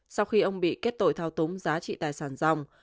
sau khi ông bị kết tội thao túng giá trị tài sản dòng